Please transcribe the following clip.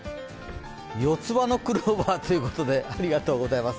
四つ葉のクローバーということで、ありがとうございます。